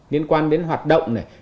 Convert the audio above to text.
liên quan đến hoạt động này